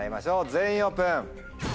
全員オープン。